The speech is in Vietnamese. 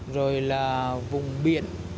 rồi là vùng biển